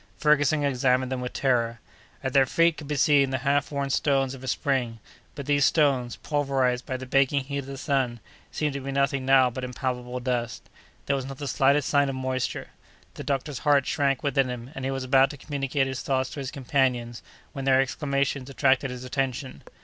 Ferguson examined them with terror. At their feet could be seen the half worn stones of a spring, but these stones, pulverized by the baking heat of the sun, seemed to be nothing now but impalpable dust. There was not the slightest sign of moisture. The doctor's heart shrank within him, and he was about to communicate his thoughts to his companions, when their exclamations attracted his attention.